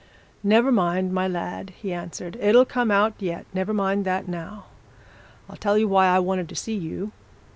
'Never mind, my lad!' he answered. 'It'll come out yet. Never mind that, now. I'll tell you why I wanted to see you.